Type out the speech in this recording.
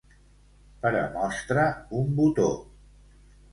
Per a mostra, un botó.